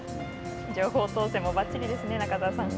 情報統制もばっちりですね、中澤さん。